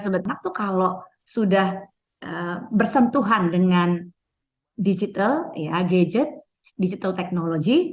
anak anak itu kalau sudah bersentuhan dengan digital ya gadget digital teknologi